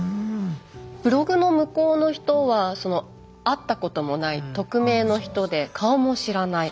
ブログの向こうの人は会ったこともない匿名の人で顔も知らない。